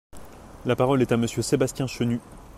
La parole est à Monsieur Sébastien Chenu.